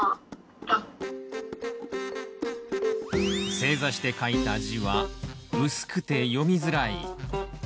正座して書いた字はうすくて読みづらい。